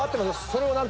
それを？